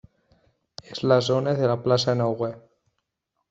És la zona de la Plaça Nova.